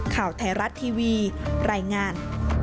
โปรดติดตามตอนต่อไป